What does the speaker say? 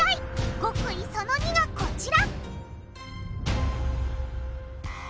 極意その２がこちら！